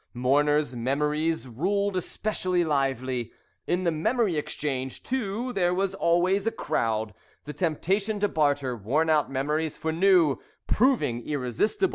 Mourners' memories ruled especially lively. In the Memory Exchange, too, there was always a crowd, the temptation to barter worn out memories for new proving irresistible.